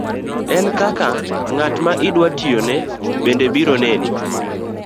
e kaka ng'at ma idwa tiyone bende biro neni.